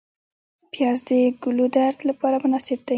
پیاز د ګلودرد لپاره مناسب دی